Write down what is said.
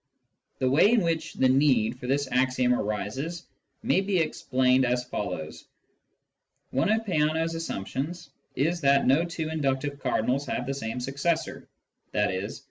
The way in which the need for this axiom arises may be explained as follows :— One of Peano's assumptions is that no two inductive cardinals have the same successor, i.e.